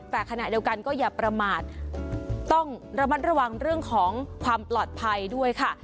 แต่ขณะเดียวกันก็อย่าประมาทต้องระมัดระวังเรื่องของความปลอดภัยด้วยค่ะ